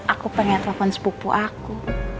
aku pengen telepon sepupu aku